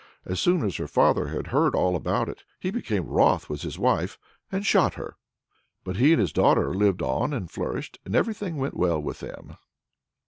As soon as her father had heard all about it, he became wroth with his wife, and shot her. But he and his daughter lived on and flourished, and everything went well with them.